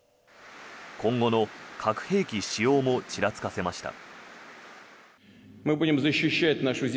今後の核兵器使用もちらつかせました。